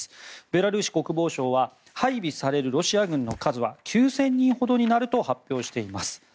ベラルーシ国防省は配備されるロシア軍の数は９０００人ほどになると発表しています。